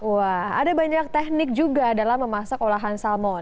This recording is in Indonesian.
wah ada banyak teknik juga dalam memasak olahan salmon